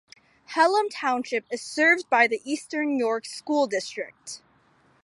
Hellam Township is served by the Eastern York School District.